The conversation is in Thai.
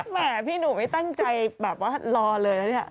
มันพี่หนูไม่ตั้งใจหลอเลยนะเนี่ย